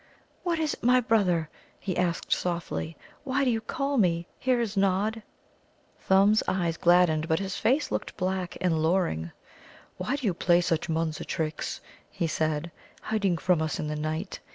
"What is it, my brother?" he asked softly. "Why do you call me? Here is Nod." Thumb's eyes gladdened, but his face looked black and louring. "Why do you play such Munza tricks," he said "hiding from us in the night?